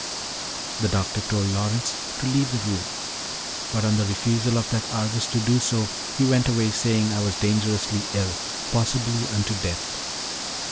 The doctor told Lawrence to leave the room, but on the refusal of that Argus to do so, he went away saying that I was dangerously ill, possibly unto death.